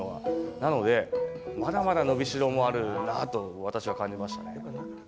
なので、まだまだ伸びしろもあるなと私は感じましたね。